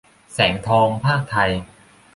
แสงทอง พากษ์ไทย